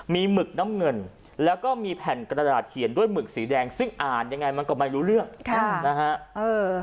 มีหมึกน้ำเงินแล้วก็มีแผ่นกระดาษเขียนด้วยหมึกสีแดงซึ่งอ่านยังไงมันก็ไม่รู้เรื่องค่ะนะฮะ